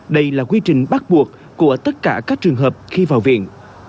đây là quy trình bắt buộc của tất cả các trường hợp khi vào viện